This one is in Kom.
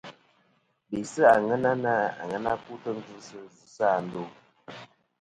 Be sɨ àŋena na aŋena kutɨ ngvɨsɨ zɨsɨ a ndo.